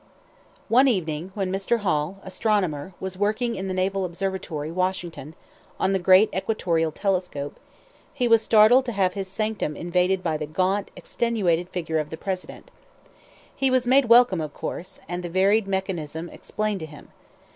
One evening, when Mr. Hall, astronomer, was working in the Naval Observatory, Washington, on the great equatorial telescope, he was startled to have his sanctum invaded by the gaunt, extenuated figure of the President. He was made welcome, of course, and the varied mechanism explained to him.